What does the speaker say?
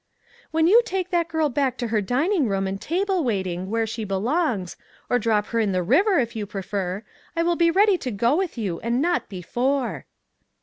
" When you take that girl back to her din ing room and table waiting, where she belongs, or drop her in the river if you prefer, I will be ready to go with you, and not before."